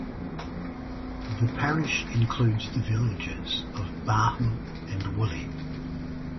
The parish includes the villages of Barham and Woolley.